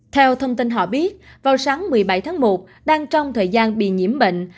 theo thông tin họ biết vào sáng một mươi bảy tháng một đang trong thời gian bị nhiễm bệnh